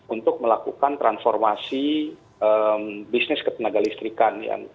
untuk melakukan transformasi bisnis ke tenaga listrikan